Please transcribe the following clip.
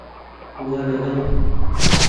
وه لەگەڵ تا